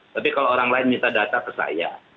tapi kalau orang lain minta data ke saya